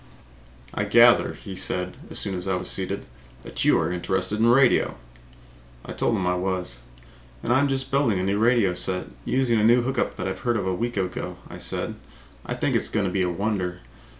"I gather," he said as soon as I was seated, "that you are interested in radio." I told him I was. "And I'm just building a new set, using a new hook up that I heard of a week ago," I said. "I think it is going to be a wonder.